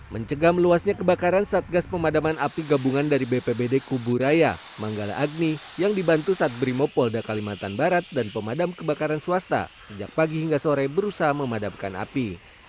mencegah meluasnya kebakaran satgas pemadaman api gabungan dari bpbd kuburaya manggala agni yang dibantu saat brimopolda kalimantan barat dan pemadam kebakaran swasta sejak pagi hingga sore berusaha memadamkan api